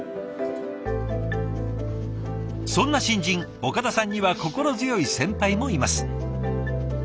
そんな新人岡田さんには心強い先輩もいます。